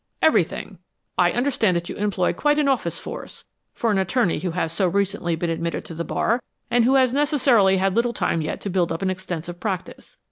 "Everything. I understand that you employ quite an office force, for an attorney who has so recently been admitted to the bar, and who has necessarily had little time yet to build up an extensive practice.